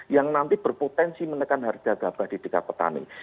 yang nanti berpotensi menekan harga gabah di tingkat petani